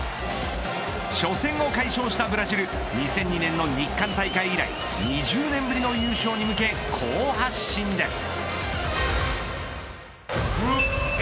初戦を快勝したブラジル２００２年の日韓大会以来２０年ぶりの優勝に向け好発進です。